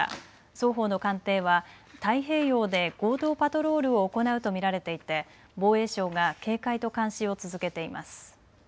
双方の艦艇は太平洋で合同パトロールを行うと見られていて防衛省が警戒と監視を続けています。